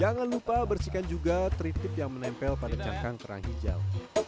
jangan lupa bersihkan juga tritip yang menempel pada cangkang kerang hijau